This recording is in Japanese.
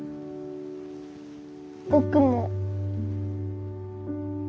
僕も。